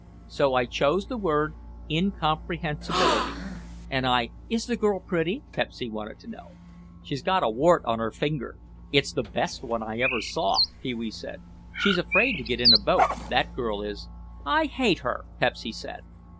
So I chose the word incomprehensibility, and I—" "Is that girl pretty?" Pepsy wanted to know. "She's got a wart on her finger. It's the best one I ever saw," Pee wee said. "She's afraid to get in a boat, that girl is." "I hate her," Pepsy said.